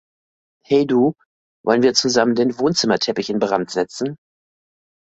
Hey du, wollen wir zusammen den Wohnzimmerteppich in Brand setzen?